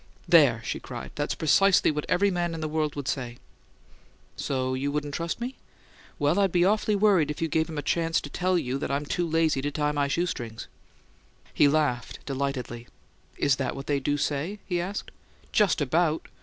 "There!" she cried. "That's precisely what every man in the world would say!" "So you wouldn't trust me?" "Well I'll be awfully worried if you give 'em a chance to tell you that I'm too lazy to tie my shoe strings!" He laughed delightedly. "Is that what they do say?" he asked. "Just about!